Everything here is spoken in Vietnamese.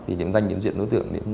thì kiểm danh kiểm diện đối tượng